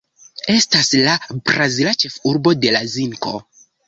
Estas la brazila ĉefurbo de la zinko.